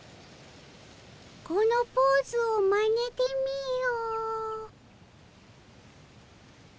このポーズをまねてみよ。